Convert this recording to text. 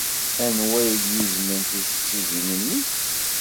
Anwa ay d-yuznen tijejjigin-nni?